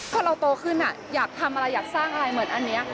พอเราโตขึ้นอยากทำอะไรอยากสร้างอะไรเหมือนอันนี้